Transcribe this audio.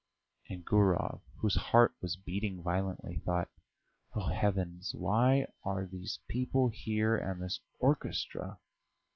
And Gurov, whose heart was beating violently, thought: "Oh, heavens! Why are these people here and this orchestra!..."